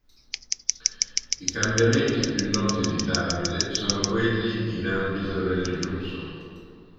I cambiamenti più noti di Davide, sono quelli in ambito religioso.